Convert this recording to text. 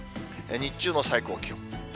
日中の最高気温。